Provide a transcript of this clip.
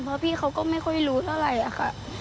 เพราะพี่เขาก็ไม่ค่อยรู้เท่าไหร่ค่ะ